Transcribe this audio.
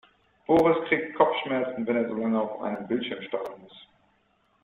Boris kriegt Kopfschmerzen, wenn er so lange auf einen Bildschirm starren muss.